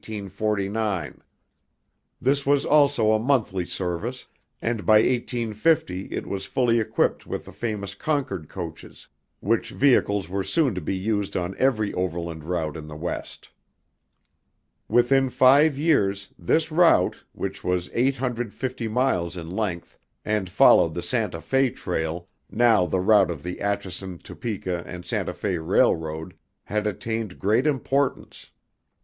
This was also a monthly service, and by 1850 it was fully equipped with the famous Concord coaches, which vehicles were soon to be used on every overland route in the West. Within five years, this route, which was eight hundred fifty miles in length and followed the Santa Fe trail, now the route of the Atchison, Topeka, and Santa Fe railroad, had attained great importance.